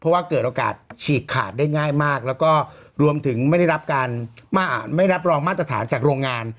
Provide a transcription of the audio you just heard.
เพราะว่าเกิดโอกาสฉีกขาดได้ง่ายมากแล้วก็รวมถึงไม่ได้รับการไม่รับรองมาตรฐานจากโรงงาน